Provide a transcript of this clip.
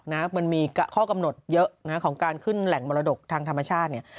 มันมีข้อกำหนดเยอะนะของการขึ้นแหล่งมรดกทางธรรมชาติเนี่ย